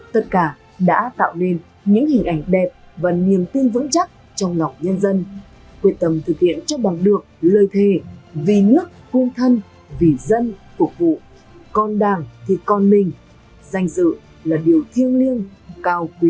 tất cả đã tạo nên những hình ảnh đẹp và niềm tin vững chắc trong lòng nhân dân quyết tâm thực hiện cho bằng được lời thề vì nước cung thân vì dân phục vụ còn đảng thì con mình danh dự là điều thiêng liêng cao quý